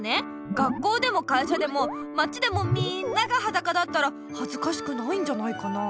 学校でも会社でも町でもみんながはだかだったらはずかしくないんじゃないかなあ。